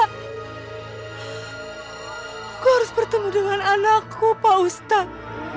aku harus bertemu dengan anakku pak ustadz